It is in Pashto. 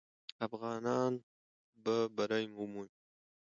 افغانان به بری ومومي.